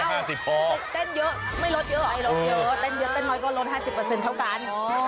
เต้นเยอะไม่ลดเยอะเกี่ยวเต้นเยอะก็ลด๕๐เท่ากัน